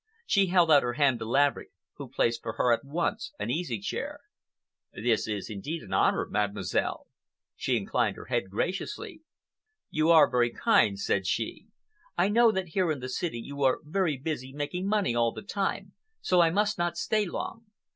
She held out her hand to Laverick, who placed for her at once an easy chair. "This is indeed an honor, Mademoiselle." She inclined her head graciously. "You are very kind," said she. "I know that here in the city you are very busy making money all the time, so I must not stay long.